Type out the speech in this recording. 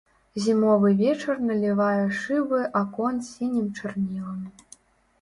Зімовы вечар налівае шыбы акон сінім чарнілам.